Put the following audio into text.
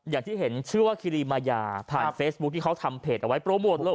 อย่างที่เห็นชื่อว่าคิรีมายาผ่านเฟซบุ๊คที่เขาทำเพจเอาไว้โปรโมทเลย